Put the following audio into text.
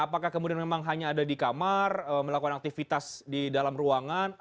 apakah kemudian memang hanya ada di kamar melakukan aktivitas di dalam ruangan